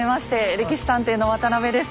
「歴史探偵」の渡邊です。